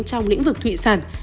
trong lĩnh vực thủy sản